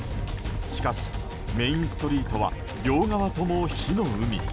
しかし、メインストリートは両側とも火の海。